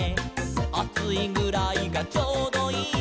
「『あついぐらいがちょうどいい』」